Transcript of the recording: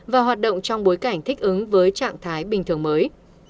và hoạt động trong bối cảnh thích ứng với trạng thái bình thường mới